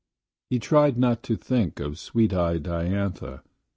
He tried not to think of sweet eyed Diantha.